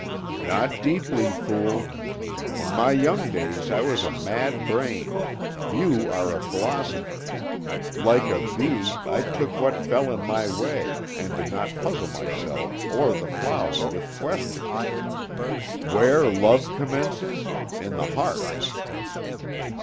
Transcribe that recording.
"Not deeply, fool. In my young days I was a mad brain; you are a philosopher. Like a bee, I took what fell in my way, and did not puzzle myself or the flower with questions. Where love commences? In the heart."